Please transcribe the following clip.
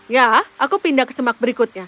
ya aku pindah ke semak berikutnya